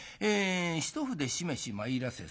『一筆しめし参らせ候。